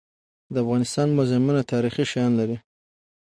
د افغانستان موزیمونه تاریخي شیان لري.